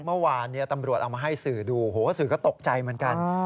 เมื่อวานตำรวจเอามาให้สื่อดูโหสื่อก็ตกใจเหมือนกัน